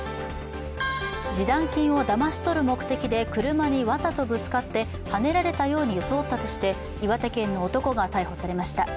示談金をだまし取る目的で車にわざとぶつかってはねられたように装ったとして岩手県の男が逮捕されました。